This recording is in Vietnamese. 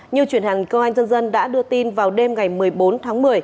như truyền hàng cơ quan nhân dân đã đưa tin vào đêm ngày một mươi bốn tháng một mươi